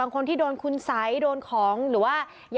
ทั้งหมดนี้คือลูกศิษย์ของพ่อปู่เรศรีนะคะ